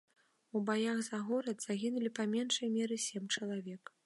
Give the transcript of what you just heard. У баях за горад загінулі па меншай меры сем чалавек.